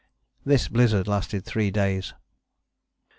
This blizzard lasted three days.